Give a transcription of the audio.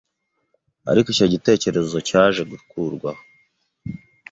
ariko icyo gitekerezo cyaje gukurwaho